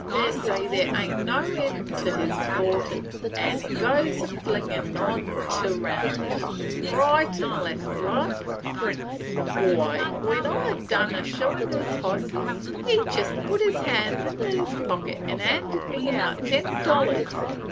They say there ain't no end to his fortin, an' he goes a flingin' on 't round, right en' left, like a prince. Why, when I 'd done shoein' his hosses, he jest put his hand inter his pocket en' handed me out ten dollars!